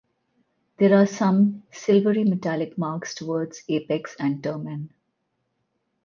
There are some silvery metallic marks towards apex and termen.